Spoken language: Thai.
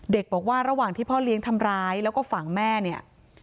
บอกว่าระหว่างที่พ่อเลี้ยงทำร้ายแล้วก็ฝั่งแม่เนี่ย